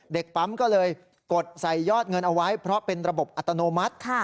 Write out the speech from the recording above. เด็กปั๊มก็เลยกดใส่ยอดเงินเอาไว้เพราะเป็นระบบอัตโนมัติ